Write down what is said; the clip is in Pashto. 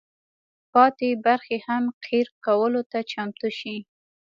پاتې برخې هم قیر کولو ته چمتو شي.